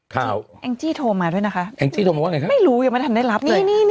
ข่าวแอ้งจี้โทรมาด้วยนะคะแอ้งจี้โทรมาว่าไงคะไม่รู้ยังไม่ทำได้รับเลยนี่นี่นี่